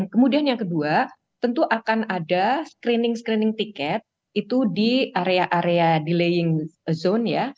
kemudian yang kedua tentu akan ada screening screening tiket itu di area area delaying zone ya